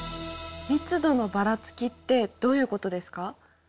「密度のばらつき」ってどういうことですか？